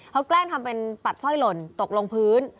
เขาแกล้งทำเป็นปัดสร้อยหล่นตกลงพื้น